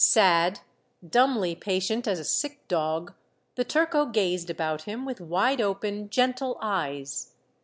Sad, dumbly patient as a sick dog, the turco gazed about him with wide open, gentle eyes.